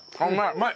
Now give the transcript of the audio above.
うまい。